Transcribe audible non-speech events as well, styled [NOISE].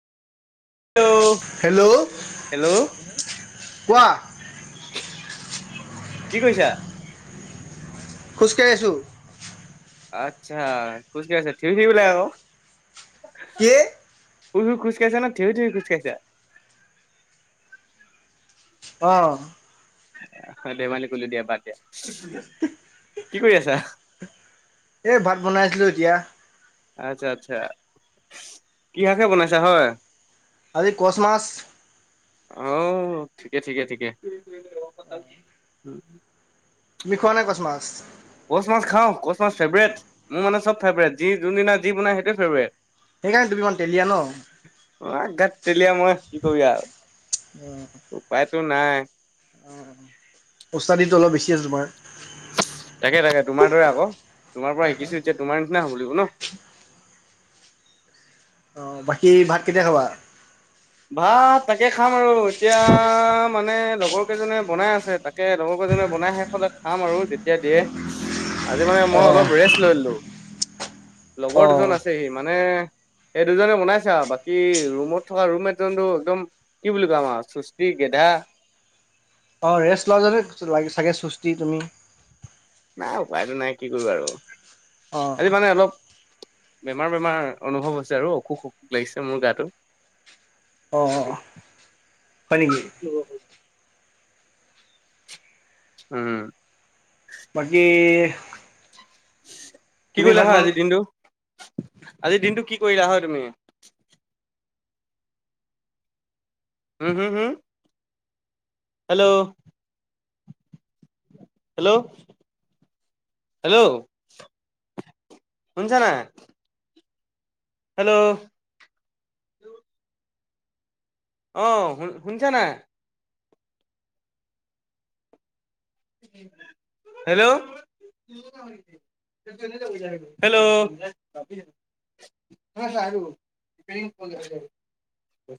Hello hello hello কোৱা। কি কইছা? খোজকাই আছোঁ। আচ্ছা খোজকাঢ়ি আছা থিয়হি থাকিব লাগে ক, কি? শুই শুই খোজকাঢ়িচা না থিয়হি থিয়হি খোজ কাঢ়িচা? অঁ! হয় ধেমালি কৰিলো দিয়া বাদ দিয়া। কি কৰি আছা? এ ভাত বনাই আছিলো এতিয়া। আচ্ছা আচ্ছা কি শাকহে বনাইছা হয়। আজি কচ মাছ। অও ঠিকে ঠিকে ঠিকে। উম তুমি খোৱা নাই কছ মাছ? কচ মাছ খাওঁ কচ মাছ ফেভৰেট মোৰ মানে চব ফেভাৰেট, যি যোনদিনা যি বনাই সেইটোৱে ফেবেৰেট। সেইকাৰণে তুমি ইমান তেলীয়া ন। আ গাত তই তেলীয়া তেলিয়ানা মই তেলিয়া উম উপায়টো নাই। উমঁ ওস্তাদিতো অলপ বেছি আছে তোমাৰ। তাকে তাকে তোমাৰ দৰে আক তোমাৰ পৰা শিকিছো এতিয়া তোমাৰ নিচিনা হ'ব লাগিব ন। অঁ বাকী ভাত কেতিয়া খাবা? ভাত তাকে খাম আৰু এতিয়া মানে লগৰ কেইজনে বনাই আছে তাক কে লগৰজনে বনাই শেষ হলে খাম আৰু যেতিয়া দিয়ে। আজি মানে অ মই অলপ ৰেষ্ট লৈ ললো অ লগৰ দুজন আছেহি মানে এই দুজনে বনাইছে আও বাকী ৰুমত থকা ৰুম মেট জনটো একদম কি বুলি কম আও চুস্থি, গেধা। অঁ ৰেষ্ট লোৱা জনে লাগে চাগে চুস্তি তুমি। নাই উপায়টো নাই কি কৰিবি আৰু অ আজি মানে অলপ বেমাৰ বেমাৰ অনুভৱ হৈছে আৰু অসুখ অসুখ লাগিছে মোৰ গাটো। অঁ অঁ হয় নেকি? উম বাকী কি তুমি কৰিলা ভাত হয় বন আজিৰ দিনটো, আজিৰ দিনটো কি কৰিলা হয় তুমি? হুম হুম হুম হেল্ল' হেল্ল' হেল্ল', শুনিছা নাই? হেল্ল'? অঁ শুন শুনিছা নাই? হেল্ল'? হেল্ল'? [UNINTELLIGIBLE]